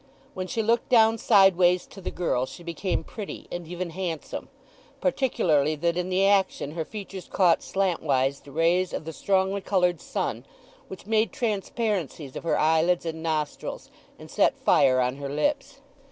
When she looked down sideways to the girl she became pretty, and even handsome, particularly that in the action her features caught slantwise the rays of the strongly coloured sun, which made transparencies of her eyelids and nostrils and set fire on her lips.